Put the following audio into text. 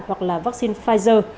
hoặc là vaccine pfizer